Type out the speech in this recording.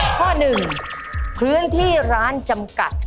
ข้อหนึ่งพื้นที่ร้านจำกัด